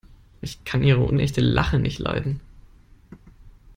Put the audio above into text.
Ich kann ihre unechte Lache nicht leiden.